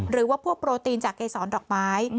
หรือว่าพวกโปรตีนจากเกษรดอกไม้